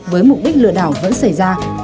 với mục đích lừa đảo vẫn xảy ra